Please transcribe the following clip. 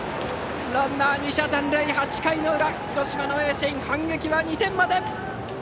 ランナー２者残塁、８回の裏広島・盈進、反撃は２点まで！